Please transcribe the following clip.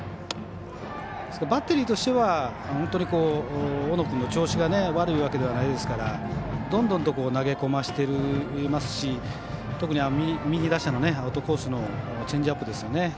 バッテリーとしては本当に大野君の調子が悪いわけではないですからどんどんと投げ込ませていますし特に右打者のアウトコースのチェンジアップですよね。